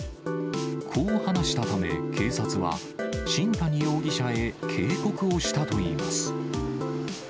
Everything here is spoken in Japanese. こう話したため、警察は、新谷容疑者へ警告をしたといいます。